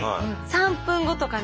３分後とかね